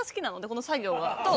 この作業？